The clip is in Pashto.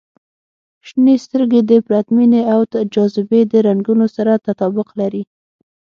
• شنې سترګې د پرتمینې او جاذبې د رنګونو سره تطابق لري.